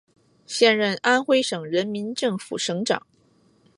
现任安徽省人民政府省长。